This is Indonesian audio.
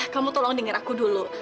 kamu tolong dengar aku dulu